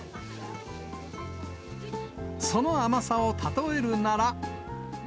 その甘さを例えるなら。